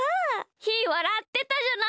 ひーわらってたじゃない。